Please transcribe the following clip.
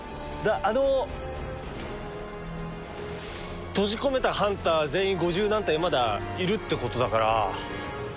あの閉じ込めたハンター全員五十何体まだいるってことだから。